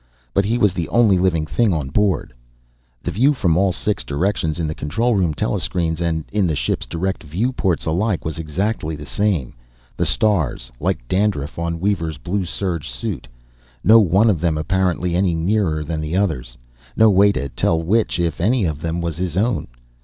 But he was the only living thing on board. The view from all six directions in the control room telescreens, and in the ship's direct view ports alike was exactly the same. The stars, like dandruff on Weaver's blue serge suit. No one of them, apparently, any nearer than the others. No way to tell which, if any of them, was his own.